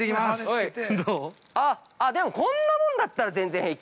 ◆あ、でも、こんなもんだったら全然平気。